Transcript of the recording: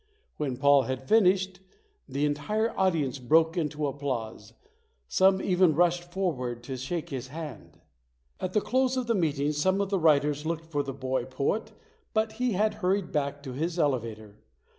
When Paul had finished, the entire audience broke into applause. Some even rushed forward to shake his hand. At the close of the meeting some of the writers looked for the boy poet but he had hurried back to his elevator.